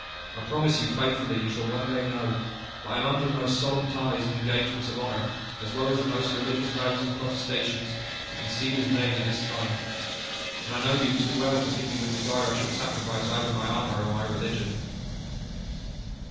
I promise you faithfully you shall one day know; but I am under the most solemn ties and engagements of honour, as well as the most religious vows and protestations, to conceal his name at this time. And I know you too well, to think you would desire I should sacrifice either my honour or my religion."